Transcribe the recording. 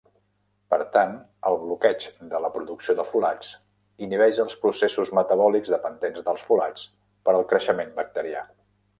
Per tant, el bloqueig de la producció de folats inhibeix els processos metabòlics dependents del folats per al creixement bacterià.